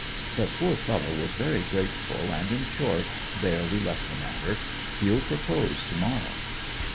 The poor fellow was very grateful, and in short, there we left the matter. He'll propose to morrow.'